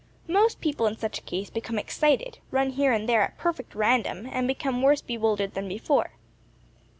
Most people in such a case become excited, run here and there, at perfect random, and become worse bewildered than before.